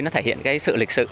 nó thể hiện cái sự lịch sự